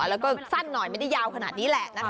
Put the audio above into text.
แล้วก็สั้นหน่อยไม่ได้ยาวขนาดนี้